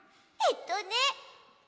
えっとね